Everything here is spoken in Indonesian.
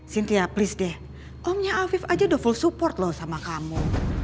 cynthia please deh omnya afif aja udah full support loh sama kamu